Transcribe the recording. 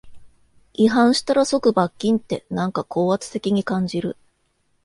違反したら即罰金って、なんか高圧的に感じる